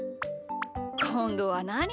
こんどはなに？